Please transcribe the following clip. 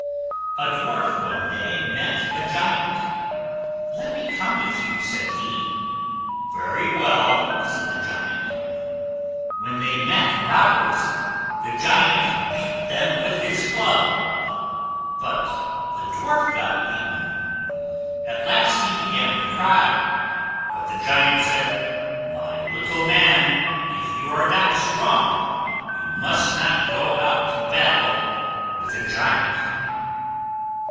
A Dwarf one day met a Giant. "Let me come with you," said he. "Very well," said the Giant. When they met robbers, the Giant beat them with his club; but the Dwarf got beaten. At last he began to cry; but the Giant said, "My little man, if you are not strong you must not go out to battle with a Giant."